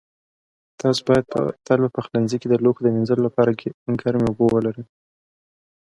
تاسو باید تل په پخلنځي کې د لوښو مینځلو لپاره ګرمې اوبه ولرئ.